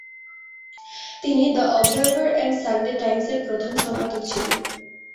তিনি the Observer এবং Sunday Times -এর প্রধান সম্পাদক ছিলেন।